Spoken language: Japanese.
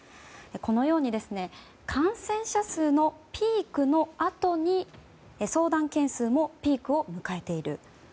このように感染者数のピークのあとに相談件数もピークを迎えている。